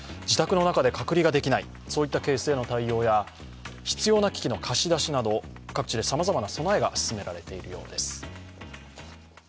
自宅の中で隔離ができないといったケースの対応や必要な機器の貸し出しなど、各地でさまざまな備えが進められているようです。